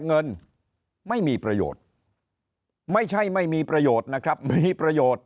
เงินไม่มีประโยชน์ไม่ใช่ไม่มีประโยชน์นะครับไม่มีประโยชน์